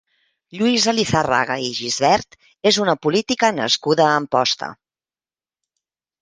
Lluïsa Lizarraga i Gisbert és una política nascuda a Amposta.